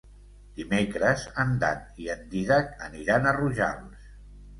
Dimecres en Dan i en Dídac aniran a Rojals.